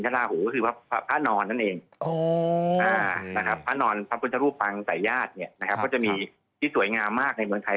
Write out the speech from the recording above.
พระคุณฆรูปังสัอยญาติก็จะมีที่สวยงามมากในเมืองไทย